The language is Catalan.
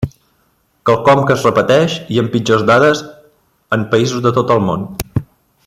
Quelcom que es repeteix, i amb pitjors dades, en països de tot el món.